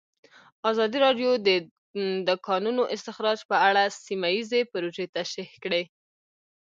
ازادي راډیو د د کانونو استخراج په اړه سیمه ییزې پروژې تشریح کړې.